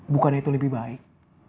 bukannya itu lebih baik